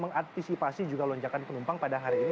mengantisipasi juga lonjakan penumpang pada hari ini